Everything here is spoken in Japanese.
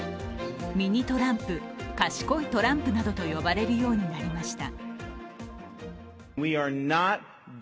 ミニ・トランプ、賢いトランプなどと呼ばれるようになりました。